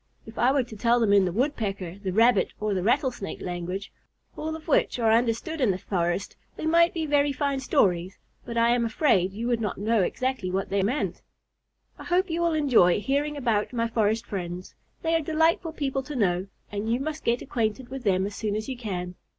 If I were to tell them in the Woodpecker, the Rabbit, or the Rattlesnake language, all of which are understood in the forest, they might be very fine stories, but I am afraid you would not know exactly what they meant! I hope you will enjoy hearing about my forest friends. They are delightful people to know, and you must get acquainted with them as soon as you can.